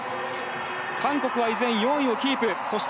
韓国は依然４位をキープ。